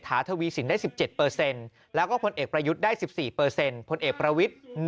ทวีสินได้๑๗แล้วก็พลเอกประยุทธ์ได้๑๔พลเอกประวิทธิ์